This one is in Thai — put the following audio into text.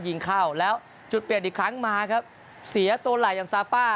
ยิงเข้าแล้วจุดเปลี่ยนอีกครั้งมาครับเสียตัวหลักอย่างซาป้า